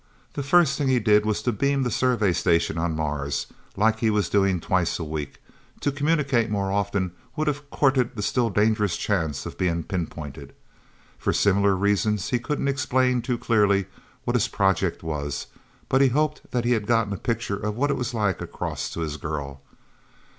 The first thing he did was to beam the Survey Station on Mars, like he was doing twice a week to communicate more often would have courted the still dangerous chance of being pinpointed. For similar reasons he couldn't explain too clearly what his project was, but he hoped that he had gotten a picture of what it was like across to his girl.